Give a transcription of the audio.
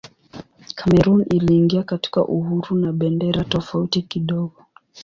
Kamerun iliingia katika uhuru na bendera tofauti kidogo.